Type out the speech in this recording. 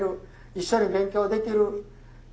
一緒に勉強できる。